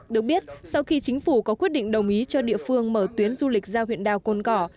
được biết sau khi chính phủ có quyết định đồng ý cho địa phương mở tuyến du lịch ra huyện đảo cồn cỏ